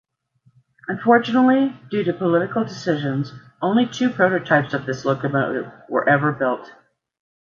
Unfortunately, due to political decisions only two prototypes of this locomotive were ever built.